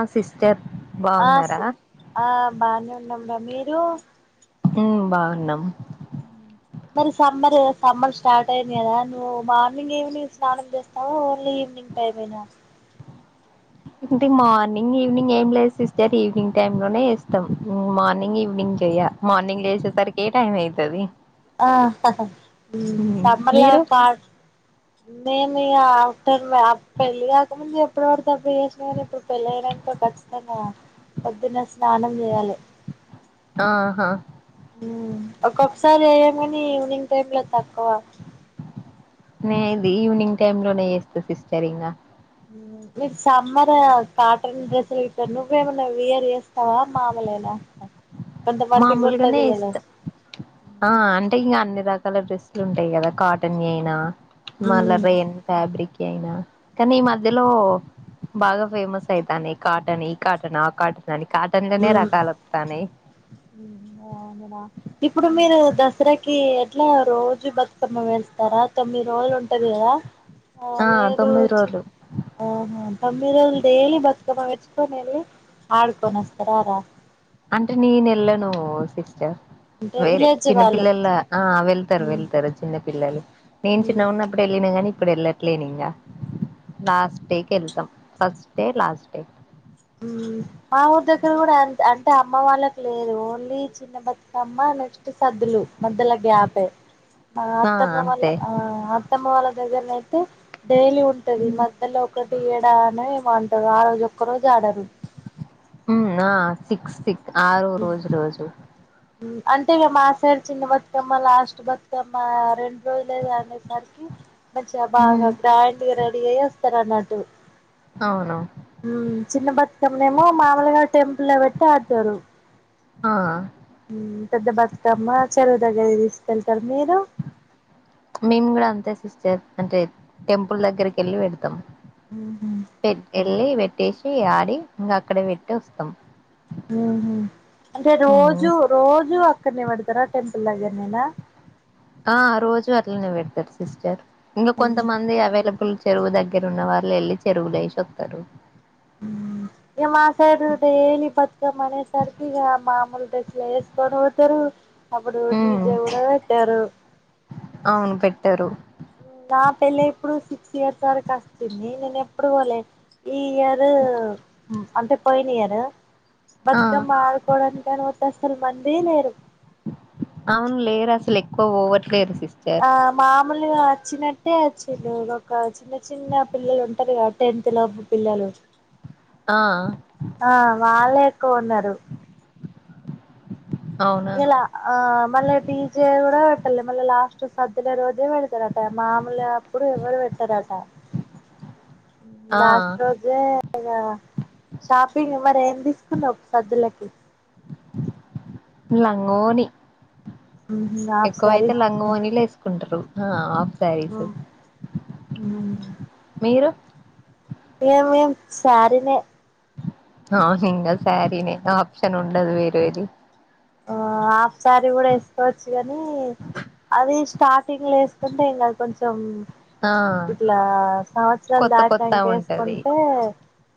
ఆ సిస్టర్ బాగున్నారా యునామ్ బా మీరు బాగున్నాం మరి సమ్మర్ సమ్మర్ స్టార్ట్ అయింది కదా నువ్వు మార్నింగ్ ఈవినింగ్ స్నానం చేస్తావు ఓన్లీ ఈవినింగ్ అయిపోయినావు ఇంటికి మార్నింగ్ ఈవినింగ్ ఏం లేదుస్టార్ ఈవినింగ్ టైమ్ లోనే ఇస్తాం మార్నింగ్ ఈవినింగ్ చేయ మార్నింగ్ వసేసరికి ఏ టైం అవుతుది ఆ హా ఉమ్ సమ్మర్ల మీరు పాడు నేను ఇక ఆఫ్టర్నూన్ పెళ్ళి కాక ముందు ఎప్పుడువర బ్బ చేసినా కాని ఇప్పుడు పెళ్ళి అయనాక ఖచ్చితంగా పొద్దున్న స్నానం చేయాలి ఆహా ఉమ్ ఒక్కొక్కసారి అయ కాని ఈవనింగ్ టైమ్ లో తక్కువ నే ఇది ఈవినింగ్ టైమ్ లోనే చేస్తా సిస్టర్ ఇంగ న్ సమ్మర్ కాటన్ డ్రెస్సులు ఇట్టాారు నువ్ ఏమన్నా వియర్ చేస్తావా మామూలునా మామూలుగానే ఇస్తాం ఆ అంటే ఇంకా అన్ని దకా చాలా డ్రెస్లు ఉంటాయి కదా కాటన్ అయినా ఉమ్ మలర ఎన్ ఫబ్రక్ అయినా కానీ ఈ మధ్యలో బాగా ఫేమస్ అయితానై కాటన్ ఈ కాటన్ ఆ కాటన్ నని కాటన్గానే రకాల వత్తానై ఇప్పుడు మీరు దసరాకి ఎట్లా రోజు బతుకమ్మ వేస్తారా తొమ్మిది రోజులు ఉంటది కదా ఆ లేదు తొమ్మిది చి రోజులు ఆహా తొమ్మిది రోజులు డైలీ బతుకమ్మ వచ్చుకొ వెళ్లి ఆడుకస్త చరా రా అంటే నేను వెళ్ళను సిస్టర్ అంటే వేరే విలేజ్ చిన్న వాళ్ళు పిల్లల ఆ వెళ్తారు ఉమ్ వెళ్తారు చిన్న పిల్లలు నేను చిన్న ఉన్నప్పుడు వెళ్ళిన కాగాని ఇప్పుడు వెళ్ళట్లేని ఇంకా లాస్ట్ డేకి వెళ్తాం ఫస్ట్ డే లాస్ట్ డే మా ఊరి దగ్గర కూడా అంటే అమ్మ వాళ్ళకి లేదు ఓన్లీ చిన్న బతుకమ్మ నెక్స్ట్ సదులు మధ్యలో గ్యాపే ఆ అత్తమ్మ అంతే అత్తమ్మ వల దగ్గరల అయితే డైలీ ఉంటది మధ్యలో ఒకటి ఏడు సార్ ని వాంటా రాధు రోజు ఒక్కరోజు కాడను ఉమ్ నా సిక్స్ సిక్ ఆరో రోజురోజు ఉమ్ అంటే ఇక మా సైడ్ చిన్న బతుకమ్మ లాస్ట్ బతుకమ్మ రెండు రోజులు అసరికి మంచిగా బాగా గ్రాండ్గా రెడీ అయ్యే ఇస్తారన్నట్టు అవును చిన్న బతుకమ్మనేమో మామలుగారు టెంపుల్ పెట్టి ఆడుతారు ఆ పెద్ద బతుకమ్మ చరువు దగ్గర కి తీసుకెళ్తారు మీరు మేము కూడా అంతే సిస్టర్ అంటే టెంపుల్ దగ్గరికి వెళ్ళి పెడతాం ఉహు పె ఎ వెళ్లి పెట్టేసి ఆడి ఇంక అక్కడ పెట్టి వస్తాం అంటే రోజు రోజు అక్ క్కనే వాడతారా టెంపుల్ దగ్గర నేనా ఆ రోజు అట్లనే పెడతారు సిస్టర్ ఇంకా కొంతమంది అవైలబుల్ చెరువు దగ్గర ఉన్న వాళ్ళు వెళ్ళి చెరువుల ఏసి ఒత్తరు మ్ ఏ మాసైడ్ డైలీ బతుకమ్మ అనే సరికి ఇక మాముూలు డ్రస్ లే ఎసుకొని వోతరు అప్పుడు ఉమ్ డీజే కూడా పెట్టారు అవును పెట్టారు నా పెళ్లి ఇప్పుడు సిక్స్ ఇయర్స్ వరకు వస్తుంది నేను ఎప్పుడు పోలే ఈ ఇయర్ అంటే పోయిన ఇయరు ఆ బతుకమ్మ అడుకొడానికని వోతే సలు మందే లేరు అవును లేరు అసలు ఎక్కువ పోవట్లేరు సిస్టర్ మూలుగా వచ్చినట్టే వచ్చిరు ఒక చిన్న చిన్న పిల్లలు ఉంటారు కదా టెన్త్ లోపు పిల్లలు ఆ ఆ వాళ్లే ఎక్కువ ఉన్నారు అవునా ఇలా ఆ మళ్ల డీజె కూడా ఇగ మళ్ల లాస్ట్ సద్దుల రోజే పెడతారట మామూలు అప్పుడు ఎవరు పెట్టారట ఆ లాస్ట్ రోజే ఇగ షాపింగ్ మరి ఏం తీసుకున్నావు సద్దులకి లంగా వోని హాఫ్ సారీ ఎక్కువైతే లంగ వోనీలు వేసుకుంటరు ఆ ఆఫ్ సారీస్ మీరు ఏం ఏం సారీనే అవును ఇంగ సారీనే ఆప్షన్ ఉండదు వేరేది ఆ హాఫ్ సారీ కూడా వేసుకోవచ్చు కాని అది స్టార్టింగ్ లో వేసుకుంటే ఏం కాదు కొంచెం ఆ ఇట్లా సంవత్సరాలు కొత్త కొత్త దాంటినంక ఉంటది వేసుకుంటే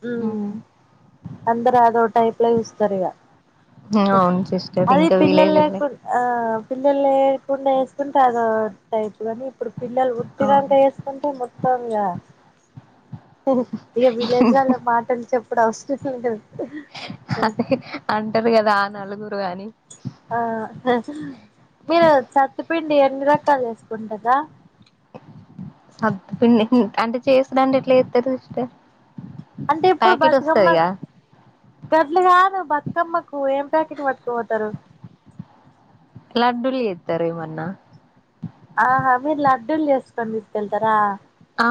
ఉమ్ అందరు అదో టైప్ లో చూసు తరు ఇగ అవును సిస్టర్ అది ఇంకా పిల్లలు విలేజ్ లేకు ఉన్నాయి. ఆ పిల్లలు లే కుండా వేసుకుంటే అదో టైప్ కాని ఇప్పుడు పిల్లలు అవును పుట్టినాంక ఏసుకుంటే మొత్తం ఇగ ఇక విలేజ్ వాళ్ళ మాటలు చెప్పుడు అవస [unintelligible] అదే అంటారు కదా ఆ నలుగురు నువ్వు కానీయ్ ఆ మీరు సత్తుపిండి ఎన్ని రకాలు చేసుకుంటారు దా అ సత్తుపిండి అంటే చేసుడు అంటే ఎట్లా చేస్తారు అంటే ఇప్పుడు ప్యాకెట్ బతుకమ్మ వస్తదిగా గడ్లు కాదు బతుకమ్మకు ఏం ప్యాకెట్ పట్కపోతారు లడ్డూలు చెత్తారేమన్నా ఆ హ మీర్ లడ్డూలు చేస్కొని తీసుకెళ్తారా ఆ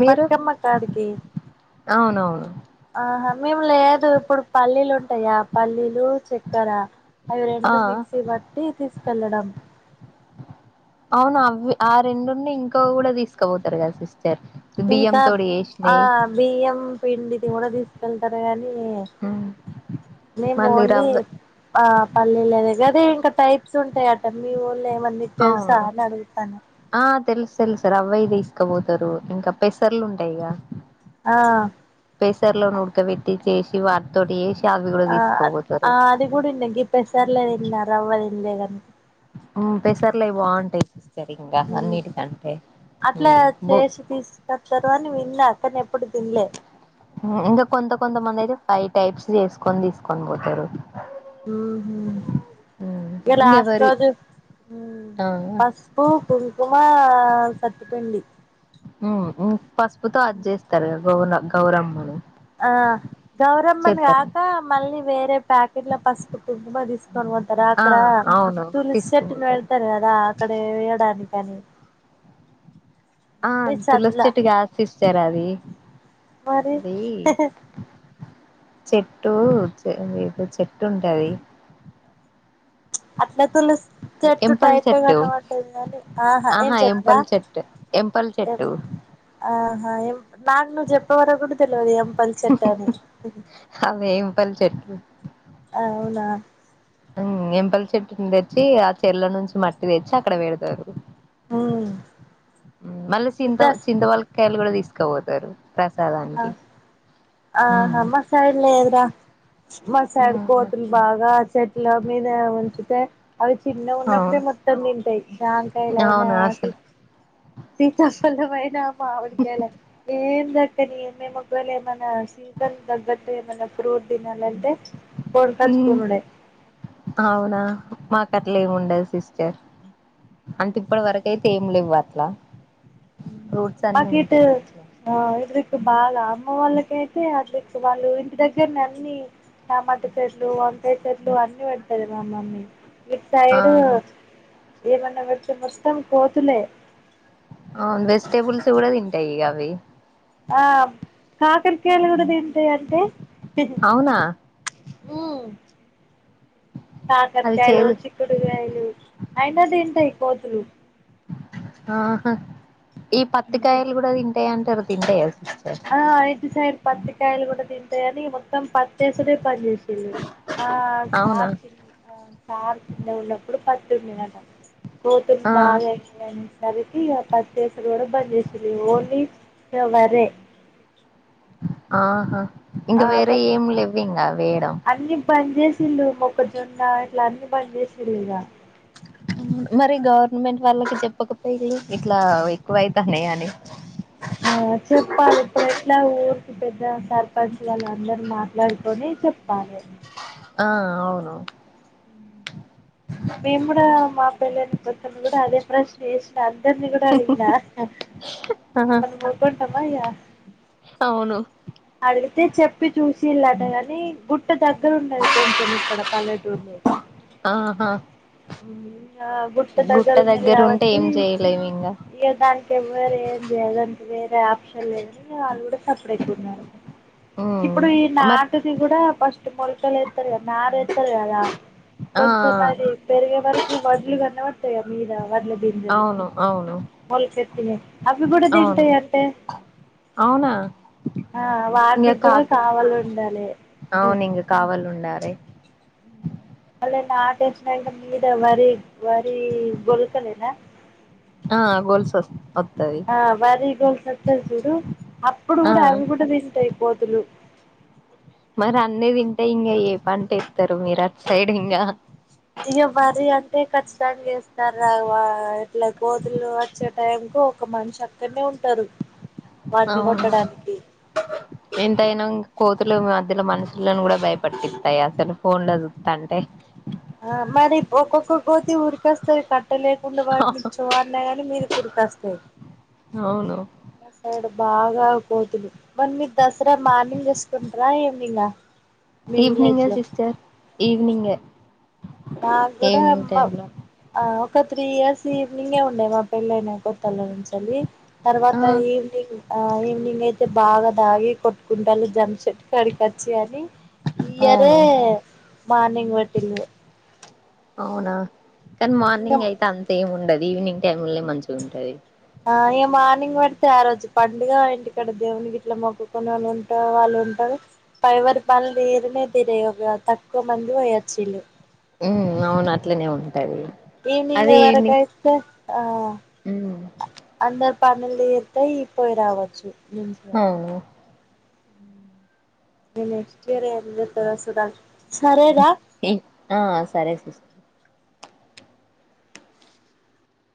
మీరు బతుకమ్మ కాడికి అవునవును మేము లేదు ఇప్పుడు పల్లీలు ఉంటాయా పల్లీలు చక్కర అవి ఆ రెండు మిక్సీ బట్టి తీసుకొ వెళ్లడం అవును అవ్యి ఆ రెండుని ఇంకా కూడా తీసుకపోతారు కదా సిస్ట ఇంకా ఆ బియ్యం పిండి ది కూడా తీసుకెళ్తారు గానీ మేము మళ్ళీ ఓన్లీ రవ్వ ఆ పల్లీల దగ్గర ఇంక టైప్ ప్స్ ఉంటాయట మివోలేమంది తెలుసా అవును అని అడుగుతన ఆ తెలుసు తెలుసురా అవయి తీసుకపోతరు ఇంకా పెసర్లు ఉంటాయిగా ఆ లను ఉడక వెట్టి చేసి వారితోటి చేసి అవి కూడా ఆ తీసుకపోతారు ఆ అది కూడా ఇన్నె గీ పెసర్లదిన్న రవ్వది లేదండి ఉ పెసర్లయి బాగుంటయి సరింగా మ్మ్ అన్నిటి కంటే ఉ బు తరని విన్నా కనెప్ ఉ ఇంగ కొంత కొంత మందైతే ఫై టైప్స్ చేసుకొని తీసుకొని పోతరు ఉహు ఇగ లాస్ట్ ఇంగెవరి రోజు ఉ ఆ పసుపు కుంకుమ ఆ సత్తుపిండి ఉహు పసుపుతో అది చేస్తరు గా బోనం గౌరమ్మను ఆ గౌరమ్మను చేత్తరు గాక మళ్ళీ వేరే ప్యాకెట్ల పసుపు కుంకుమ తీస్ కొను వోతర ఆ అక్కడ అవును తులిసి చెట్టు తీసుకుపోతారు పెడుతారు కదా అక్కడ వేయడాని పనీ ఆ తులసి చెట్టు కాసిస్ తేరాది మరి అది చెట్టు మీకు చెట్టు ఉంటది అట్నే తులసి చెట్టు ఎంపల్ టైపే చెట్టు కనవడ్డది కని ఆహా ఏం చెట్టు రా ఎంపల్ చెట్టు ఎంపల్ ఏం చెట్టు ఆ ఆ ఏం నాకు నువు జెప్ ఇప్పవరకు కూడా తెల్వది ఎంపల్ చెట్టు అని అదే ఎంపల్ చెట్టు అవునా ఉ ఎంపలి చెట్టుని తెచ్చి ఆ చెర్ల నుంచి మట్టి తెచ్చి అక్కడ వేడుతరు హ మళ్ళీ చింత వ చింత వల్ కయలు కూడా తీసుకపోతారు ఆ ప్రసాదానికి ఆహా మా సైడ్ లేదురా మా సైడ్ కోతులు బాగా చెట్ల మీదే ఉంచి తే అవి చిన్నగా ఉన్నప్పుడే అవును మొత్తం తింటాయి జాంకాయలాయినా అవునా అసలు [unintelligible] మైనా మామిడి కాయలు ఏమ్ బ కనీ మేము ఒకవేళ ఏమైన్నా సీజన్ తగ్గట్టు ఏమైన్నా ఫ్రూట్ తినాలంటే ఉం కొనుకొచ్చుకునుడే అవునా మాకు అట్లా ఏమి ఉండది సిస్ అంటే ఇప్పడి వరకు అయితే ఏం లేవ్వు అట్లా ఫ్రూట్స్ అన్ని మాకిటు ఉంటాయి మంచిగానే అ ఇట్ బాగా అమ్మ వాళ్ళకయితే అవ్వి ఇప్పుడు ఆళ్ళు ఇంటి దగ్గర అన్ని టమాటా చెట్లు వంకాయ చెట్లు అన్ని పెడతది మా మమ్మి ఇట్సైడు ఆహా ఏమన్నా [unintelligible] వస్తాం కోతులే అవును వెజిటేబుల్స్ కూడా తింటాయి ఇక అవి ఆ కాకరకాయలు గుడ తిన్ టై అంటే అవునా ఉం అది కాకరకాయాలు చేదు చిక్కుడుగాయలు అయినా దింటయి కోతులు ఆహా ఈ పత్తికాయలు కూడా తింటాయి [unintelligible] ఆ అయిదు సైడ్ తప్ కాయలు కూడా తింటాయని మొత్తం పత్తేసుడే బంజేసి చి మా అవునా సార్ చిన్న సార్ చిన్న ఉన్నప్పుడు [unintelligible] పోతే ఆ బాగా [unintelligible] దనికి ఇక పత్తి ఏసుడు కూడా బంద్చేసిళ్లు ఓన్లీ ఇగ వరే ఆహా ఇంకా ఆ వేరే మొ ఏం లేవ్వు ఇంగా అన్ని బంజేస్ ల్లు మొక్కజొన్న ఇట్లా అన్నీ బంద్ చేసిర్రు ఇగా మరి గవర్నమెంట్ వాళ్ళకి చెప్పకపోయిళ్లు ఇట్లా ఎక్కువైతనాయి అని ఆ చెప్పాలి ఇప్పుడు ఎట్లా ఊరికి పెద్ద సర్పంచ్ వాళ్ళ అందరూ మాట్లాడుకొని చెప్పాలే ఆ అవును మేము కూడా మా పెళ్లైన కొత్తలో కూడా అదే ప్రశ్న చేసిన అందరిని కూడా అడిగినా ఆహా మిమల్ని ఊరుకొంటామా ఇగా అవును అడిగితే చెప్పి చూసిల్లాట గాని గు ట్ట దగ్గర ఉన్నది కొంచెం ఇక్కడ పల్లెటూర్లో ఆహా ఇ గుట్ట దగ్గర ఉన్నది ఉంటే కాబట్టి ఏం చేయలేము ఇంగ ఇక దానికి ఎవర ఏంది దానికి వేరే ఆప్షన్ లేదని వాళ్ళు కూడా సఫర్ అయితున్నారు ఉమ్ ఇప్పుడు ఈ మరి నాటిది కూడా ఇ మొలకలు ఇస్తారు కదా న కదా ఆ కొంచెం మరీ వరకు వదులుగాన్నన్నా వా మీద వడ్ల గింజలు అవును అవును మొలకెతిన అవి కూడా అవును తింటాయి అంటే అవునా ఆ ఇంగ వాటికి కూడా కాప్ కావాలి ఉండాలి అరే ఆ టేష మీద వరి వరి గోల్సులేన ఆ గోల్సులే ఆ వరిగొలుసు అత్యది చూడు అప్పుడు ఆ కూడా అవి కూడా తింటాయి అయ్యి కోతులు మరి అన్నీ తింటే ఇంకా ఏ పంట ఏస్తారు మీరు అటు సైడ్ ఇంకా ఇక వర్రీ అంటే ఖచ్చితంగా చేస్తారు రా ఇట్లా కోతులు వచ్చే టైం కు ఒక మనిషి అక్కడనే ఉంటారు వాటిని అవును కొట్టడానికి ఎంతైనా కోతులు మధ్యలో మనుషులను కూడా భయపట్టిస్తాయి అసలు ఫోన్లో చూస్తుంటే ఆ మరి ఒక్కొక్కక్క కోతి ఊరికేస్తారు కట్ట అట్ట లేకుండా వాటిని చ్చో అన్నా నీ మీదికి ఉరికేస్తాయి అవును సైడు బాగా కోతులు మరి మీరు దసరా మార్నింగ్ చేసుకుంటార ఈవెనింగ్ నా ఈవనింగ్ గే సిస్టర్ ఈవినింగ్ గే మాకు కూడా ఒక త్రీ ఇయర్స్ ఈవినింగే ఉండేయి మా పెళ్ళయినా కొత్తళ్ళ నుంచిలి ఆ తర్వాత ఈవనింగ్ ఆ ఈవినింగ్ అయితే బాగా తాగి కొట్టుకుంటారు జం చెట్టు కాడికి వచ్చి అని ఈ ఇయరే అవును మార్నింగ్ పెట్టింది అవునా కానీ మార్నింగ్ అయితే అంతేం ఉండదు ఈవినింగ్ టైమ్ లనే మంచిగ ఉంటది ఆ ఇగ మార్నింగ్ పడితే ఆ రోజు పండుగా ఇంటి కాడ దేవున్ని గిట్ల మొక్కుకునే వాళ్ళు ఉంట వాళ్ళు ఉంటారు ఎవరి పనులు తీరనే తిరే తక్కువ మంది పోయొచ్చిళ్ళు ఉమ్ అవునా ఈవనింగ్ వరకు ఈవినింగ్ ఐతే ఆ ఉమ్ అందరూ పనులు తీరుతాయి పోయి రావచ్చు మంచిగ అవును ఉమ్ ఇగ నెక్స్ట్ ఇయర్ ఏం చేస్తామో సుద్దం ఆ సరే సిస్టర్